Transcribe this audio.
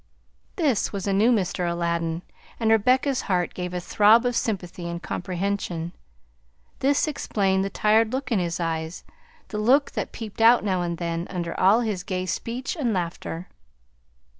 This was a new Mr. Aladdin, and Rebecca's heart gave a throb of sympathy and comprehension. This explained the tired look in his eyes, the look that peeped out now and then, under all his gay speech and laughter.